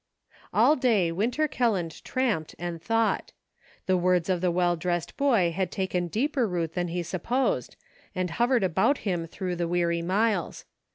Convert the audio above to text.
All day Winter Kelland tramped and thought. The words of the well dressed boy had taken deeper root than he supposed, and hovered about him through the weary miles.